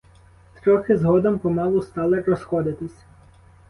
Трохи згодом помалу стали розходитись.